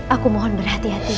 aku mohon berhati hatilah